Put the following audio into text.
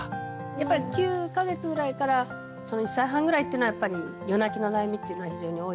やっぱり９か月ぐらいから１歳半ぐらいっていうのはやっぱり夜泣きの悩みっていうのは非常に多い。